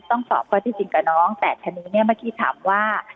สอบข้อที่จริงกับน้องแต่ทีนี้เนี่ยเมื่อกี้ถามว่า